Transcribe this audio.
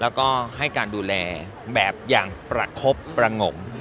แล้วก็ให้การดูแลแบบอย่างประคบประงม